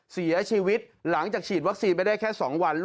เสียชีวิตหลังจากฉีดวัคซีนไปได้แค่๒วัน